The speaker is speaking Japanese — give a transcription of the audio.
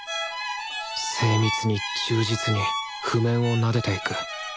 精密に忠実に譜面をなでていく。